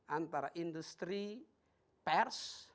antara industri pers